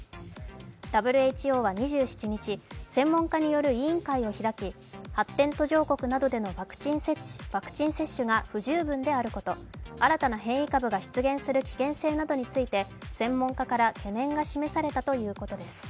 ＷＨＯは２７日、専門家による委員会を開き発展途上国などでのワクチン接種が不十分であること新たな変異株が出現する危険性などについて専門家から懸念が示されたということです。